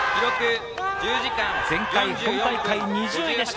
前回、本大会２０位でした。